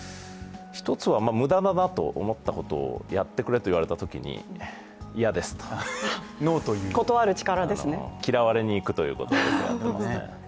一つは無駄だなと思ったことをやってくれと言われたときに「嫌です」と。嫌われにいくということを僕はやってますね。